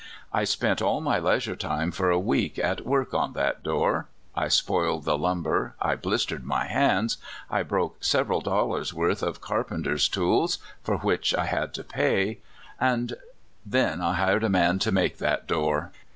I spent all my leisure time for a week at work on that door. I spoiled the lumber, I blistered my hands, I broke several dol lars' worth of carpenter's tools, for which I had to pay, and — then I hired a man to make that door!